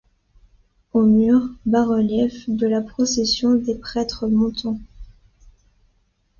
Aux murs, bas-reliefs de la procession des prêtres montant.